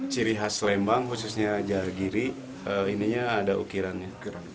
ciri khas lembang khususnya jargiri ininya ada ukirannya